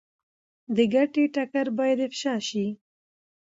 د ګټې ټکر باید افشا شي.